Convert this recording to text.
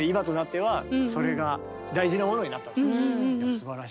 すばらしい。